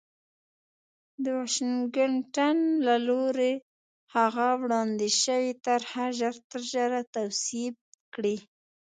د واشنګټن له لوري هغه وړاندې شوې طرح ژرترژره تصویب کړي